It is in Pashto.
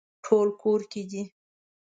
ټول کور کې دي